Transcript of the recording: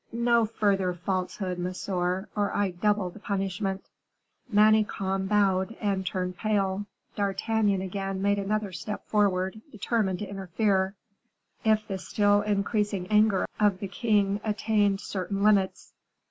"No further falsehood, monsieur, or I double the punishment." Manicamp bowed and turned pale. D'Artagnan again made another step forward, determined to interfere, if the still increasing anger of the king attained certain limits.